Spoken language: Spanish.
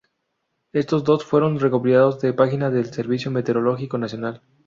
Éstos datos fueron recopilados de la página del Servicio Meteorológico Nacional.